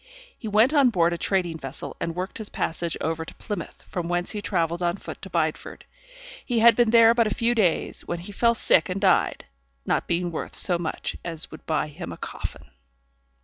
He went on board a trading vessel, and worked his passage over to Plymouth, from whence he travelled on foot to Bideford. He had been there but a few days, when he fell sick and died; not being worth so much as would buy him a coffin!